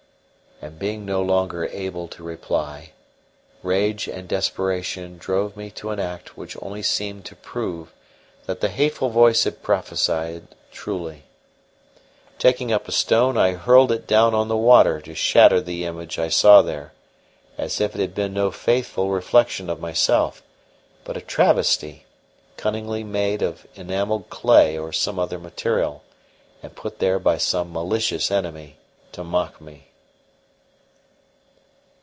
And being no longer able to reply, rage and desperation drove me to an act which only seemed to prove that the hateful voice had prophesied truly. Taking up a stone, I hurled it down on the water to shatter the image I saw there, as if it had been no faithful reflection of myself, but a travesty, cunningly made of enamelled clay or some other material, and put there by some malicious enemy to mock me.